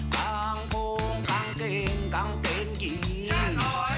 กางโพงกางเกงกางเกงกิน